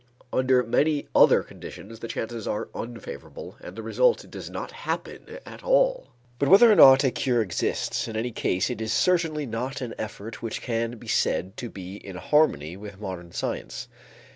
Under many other conditions the chances are unfavorable and the result does not happen at all. But whether or not a cure results, in any case it is certainly not an effort which can be said to be in harmony with modern science.